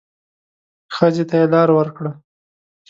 ښځې ته يې لار ورکړه.